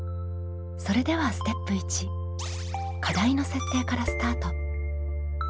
それではステップ１課題の設定からスタート。